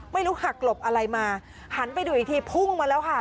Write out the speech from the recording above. ไม่รู้หักหลบอะไรมาหันไปดูอีกทีพุ่งมาแล้วค่ะ